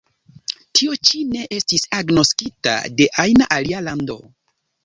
Tio ĉi ne estis agnoskita de ajna alia lando.